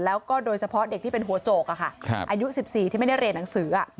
แล้วก็โดยเฉพาะเด็กที่เป็นหัวโจกอายุ๑๔ที่ไม่ได้เรียนหนังสือ